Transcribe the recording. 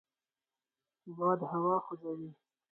باد هوا خوځوي